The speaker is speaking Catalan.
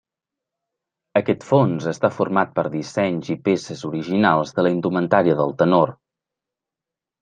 Aquest fons està format per dissenys i peces originals de la indumentària del tenor.